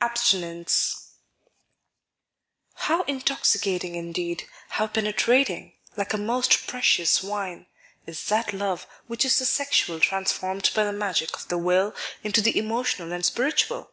Abstinence How intoxicating indeed, how penetrating — like a most precious wine — is that love which is the sexual transformed by the magic of the will into the emotional and spiritual!